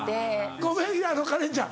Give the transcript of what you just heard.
ごめんカレンちゃん